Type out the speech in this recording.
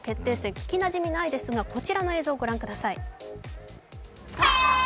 聞きなじみないですが、こちらの映像を御覧ください。